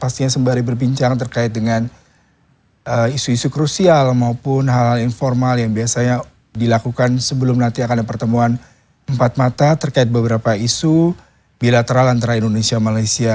pastinya sembari berbincang terkait dengan isu isu krusial maupun hal hal informal yang biasanya dilakukan sebelum nanti akan ada pertemuan empat mata terkait beberapa isu bilateral antara indonesia malaysia